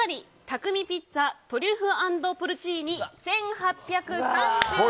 匠ピッツァトリュフ＆ポルチーニ１８３６円。